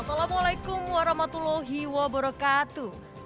assalamualaikum warahmatullahi wabarakatuh